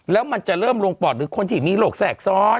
แล้วมันจะเริ่มลงปอดหรือคนที่มีโรคแทรกซ้อน